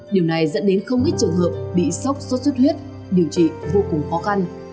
điều này dẫn đến không ít trường hợp bị sốc sốt xuất huyết điều trị vô cùng khó khăn